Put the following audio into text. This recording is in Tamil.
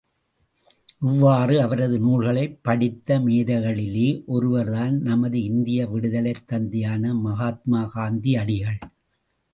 இவ்வாறு அவரது நூல்களைப் படித்த மேதைகளிலே ஒருவர்தான் நமது இந்திய விடுதலைத் தந்தையான மகாத்மா காந்தியடிகள்!